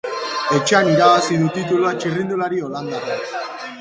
Etxean irabazi du titulua txirrindulari holandarrak.